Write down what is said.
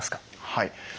はい。